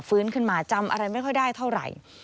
ฟื้นขึ้นมาจำอะไรไม่ค่อยได้เท่าไหร่